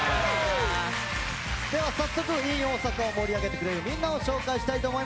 では早速「ｉｎ大阪」を盛り上げてくれるみんなを紹介したいと思います。